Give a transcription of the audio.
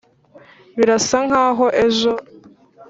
birasa nkaho ejo